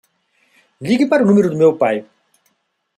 Ligue para o número do meu pai.